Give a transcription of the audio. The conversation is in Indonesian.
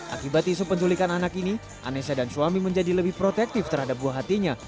akibat isu penculikan anak ini anesya dan suami menjadi lebih protektif terhadap buah hatinya